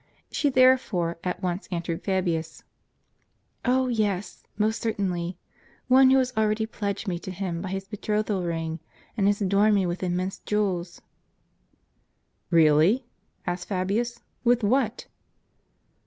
She therefore at once answered Fabius: "Oh, yes, most certainly, one who has already pledged me to him by his betrothal ring, and has adorned me with immense jewels, "t " Keally !" asked Fabius, " with what?